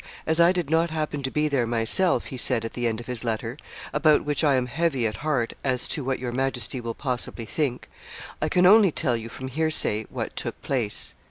"As I did not happen to be there myself," he said at the end of his letter, "about which I am heavy at heart as to what your Majesty will possibly think, I can only tell you from hearsay what took place."